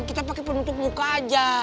kita pakai penutup muka aja